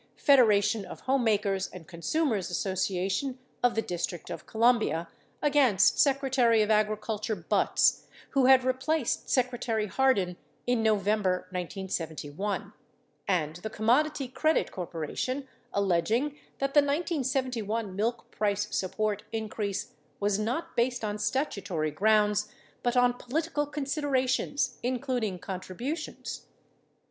Fed eration of Homemakers and Consumers Association of the District of Columbia, against Secretary of Agriculture Butz who had replaced Secretary Hardin in November 1971, and the Commodity Credit Cor poration, alleging that the 1971 milk price support increase was not based on statutory grounds but on political considerations, including contributions.